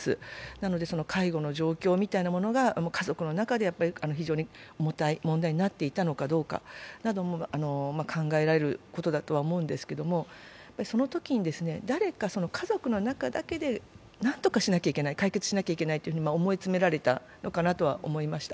なので介護の状況みたいなものが家族の中で非常に重たい問題になっていたのかどうかなども、考えられることだとも思うんですけれども、そのときに、誰か家族の中だけで何とかしなきゃいけない、解決しなきゃいけないと思い詰められたのかなと思いました。